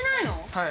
はい。